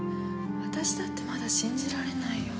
私だってまだ信じられないよ。